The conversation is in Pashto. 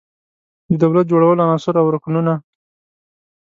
د دولت جوړولو عناصر او رکنونه